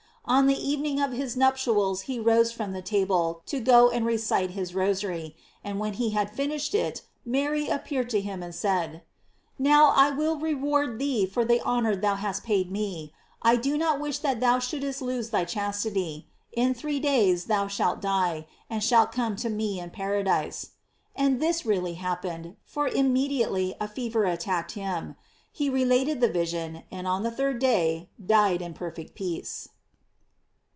On the evening of his nuptials he rose from the table to go and recite his Rosary, and when he had finished it, Mary appeared to him and said: ''Now I will re ward thee for the honor thou hast paid me: I do * Spec. Ex. verb. B. Virg. Ex. 3. t Chroa. Vfirdun. ap. P. Rho. 716 GLORIES OF MARY. not wish that thou shouldst lose thy chastity; in three days thou shalt die, and shalt come to m« in paradise.'* And this really happened, for im mediately a fever attacked him. He related the vision, and on the third day died in perfect peace.